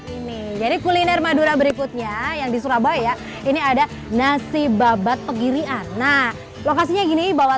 ini jadi kuliner madura berikutnya yang di surabaya ini ada nasi babat pegirian nah lokasinya gini bawa